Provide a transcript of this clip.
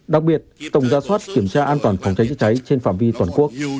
đặc biệt tổng ra soát kiểm tra an toàn phòng cháy chữa cháy trên phạm vi toàn quốc